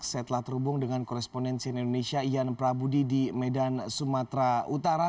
saya telah terhubung dengan korespondensi indonesia ian prabudi di medan sumatera utara